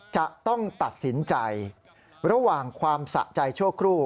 จะต้องตัดสินใจระหว่างความสะใจชั่วครู่